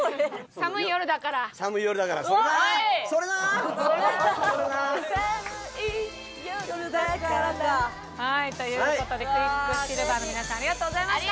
「寒い夜だから」という事でクイックシルバーの皆さんありがとうございました！